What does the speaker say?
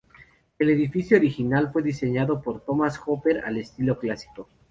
El edificio original fue diseñado por Thomas Hopper al estilo clásico.